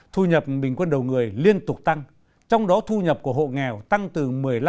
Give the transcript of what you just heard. thu nhập bình quân đầu người liên tục tăng trong đó thu nhập của hộ nghèo tăng từ một mươi năm